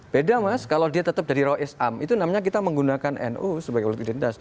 beda mas kalau dia tetap dari rois am itu namanya kita menggunakan nu sebagai politik identitas